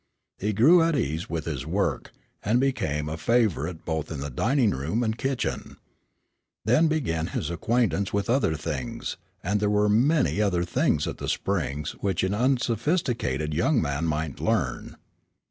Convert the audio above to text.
He grew at ease with his work, and became a favorite both in dining room and kitchen. Then began his acquaintance with other things, and there were many other things at the Springs which an unsophisticated young man might learn.